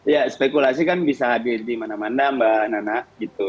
ya spekulasi kan bisa hadir di mana mana mbak nana gitu